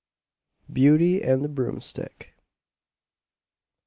BEAUTY AND THE BROOMSTICK.